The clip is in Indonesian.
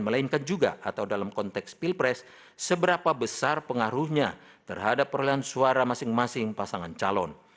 melainkan juga atau dalam konteks pilpres seberapa besar pengaruhnya terhadap perolehan suara masing masing pasangan calon